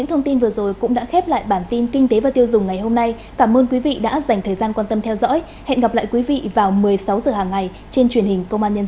hãy đăng ký kênh để ủng hộ kênh của mình nhé